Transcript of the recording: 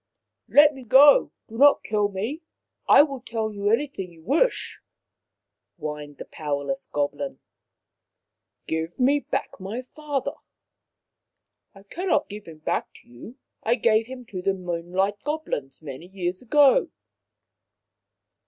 " Let me go. Do not kill me. I will tell you anything you wish," whined the powerless goblin. " Give me back my father." " I cannot give him back to you. I gave him to the Moonlight Goblins many years ago."